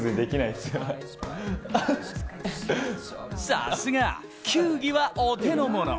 さすが球技はお手の物。